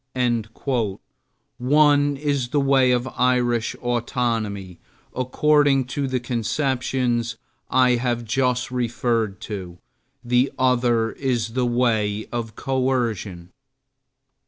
One is the way of Irish autonomy according to the conceptions I have just referred to, the other is the way of coercion.